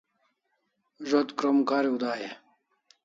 Zo't krom kariu dai e ?